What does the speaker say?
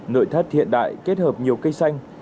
nội thất hiện đại kết hợp nhiều cây xanh